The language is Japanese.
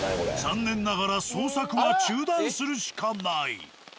残念ながら捜索は中断するしかない。